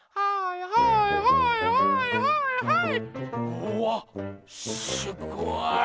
うわっすごい！